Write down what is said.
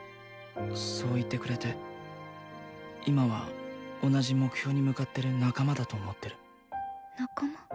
そう言ってくれて今は同じ目標に向かってる仲間だと思ってる仲間？